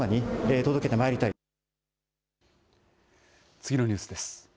次のニュースです。